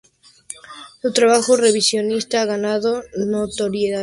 Su trabajo revisionista ha ganado notoriedad en relación con la masacre de Oradour-sur-Glane.